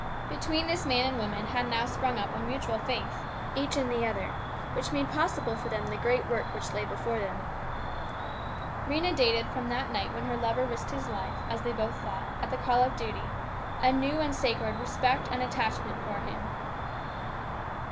Between this man and woman had now sprung up a mutual faith, each in the other, which made possible for them much of the great work that lay before them. Rhena dated from that night when her lover risked his life, as they both thought, at the call of duty, a new and sacred respect and attachment for him.